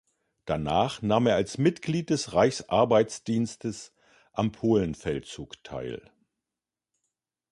Danach nahm er als Mitglied des Reichsarbeitsdienstes am Polenfeldzug teil.